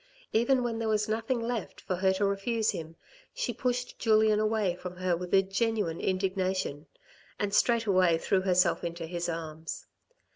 Even when there was nothing left for her to refuse him she pushed Julien away from her with a genuine indignation, and straightway threw herself into his arms.